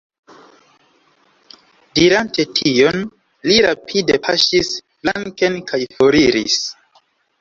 Dirante tion, li rapide paŝis flanken kaj foriris.